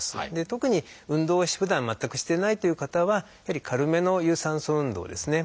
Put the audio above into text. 特に運動をふだん全くしてないという方はやはり軽めの有酸素運動ですね。